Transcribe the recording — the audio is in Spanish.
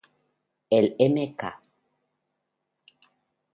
El "Mk.